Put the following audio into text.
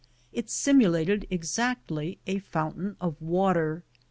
It simulated exactly a fountain of water.